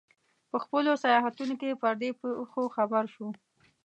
په خپلو سیاحتونو کې پر دې پېښو خبر شو.